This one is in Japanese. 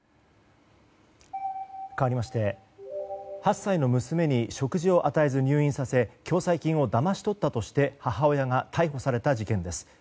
かわりまして８歳の娘に食事を与えず入院させ共済金をだまし取ったとして母親が逮捕された事件です。